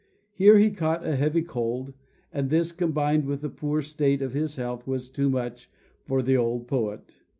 Here he caught a heavy cold, and this, combined with the poor state of his health, was too much for the old poet.